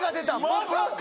まさか！